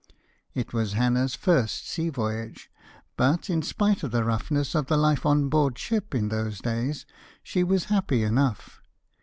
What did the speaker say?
It was Hannah's first sea voyage, but, in spite of the roughness of the life on board ship in those days, she was happy enough.